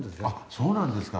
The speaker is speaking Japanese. そうなんですか。